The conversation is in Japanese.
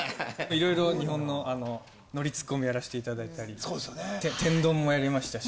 いろいろ日本のノリツッコミやらせていただいたり天丼もやりましたし